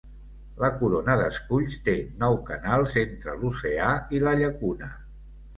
La corona d'esculls té nou canals entre l'oceà i la llacuna.